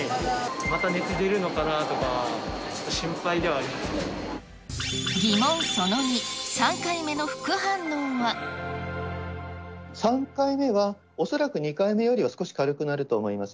また熱が出るのかなとか、疑問その２、３回目の副反応３回目は、恐らく２回目よりは少し軽くなると思います。